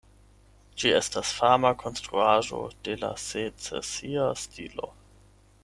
Ĝi estas fama konstruaĵo de la secesia stilo.